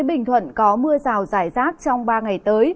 đến bình thuận có mưa rào giải rác trong ba ngày tới